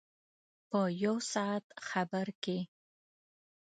په یو ساعت خبر کې.